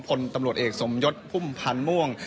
พลตำรวจเอกสมยศพุ่มพันธ์ม่วง